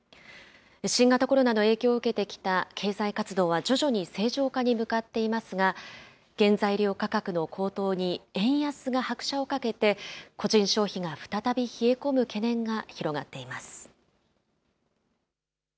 新型コロナの影響を受けてきた経済活動は徐々に正常化に向かっていますが、原材料価格の高騰に、円安が拍車をかけて、個人消費が再び冷え込む懸念が広がっています。